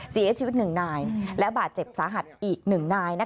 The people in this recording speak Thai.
เสียชีวิตหนึ่งนายและบาดเจ็บสาหัสอีกหนึ่งนาย